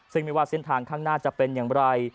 ซึ่งไม่ว่าเส้นทางข้างหน้าจะเป็นอย่างไร